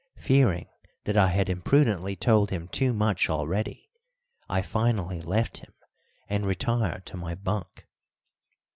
Fearing that I had imprudently told him too much already, I finally left him and retired to my bunk.